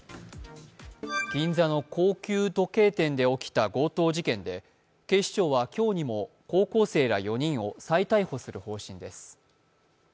銀座の高級時計店で起きた強盗事件で、警視庁は今日にも高校生ら４人を再逮捕する方針です。